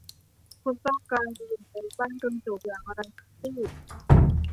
คุณต้องการอยู่ในบ้านกระจกอย่างไร คิตตี้